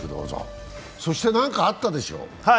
そして、何かあったでしょう